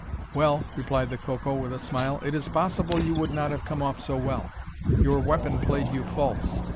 "Well," replied the Coco, with a smile, "it is possible you would not have come off so well. Your weapon played you false.